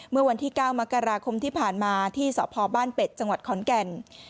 เมื่อวันที่๙มกราคมที่ผ่านมาที่สพบ้านเป็ดจังหวัดขอนแก่น